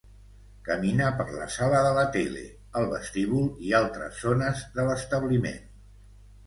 Camina per la sala de la tele, el vestíbul i altres zones de l'establiment.